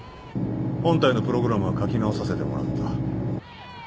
本体のプログラムは書き直させてもらった。